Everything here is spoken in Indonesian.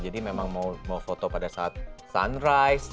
jadi memang mau foto pada saat sunrise